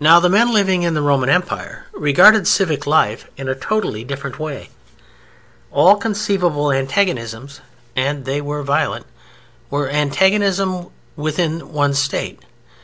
Now the men living in the Roman Empire regarded civic life in a totally different way. All conceivable antagonisms (and they were violent) were antagonisms within one State.